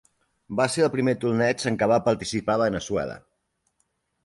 Va ser el primer torneig en què va participar Veneçuela.